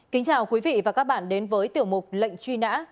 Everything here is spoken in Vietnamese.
kính chào quý vị và các bạn đến với tiểu mục lệnh truy nã